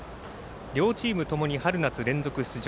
両チームともに春夏連続出場。